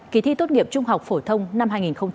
ký thi tốt nghiệp trung học phổ thông năm hai nghìn hai mươi một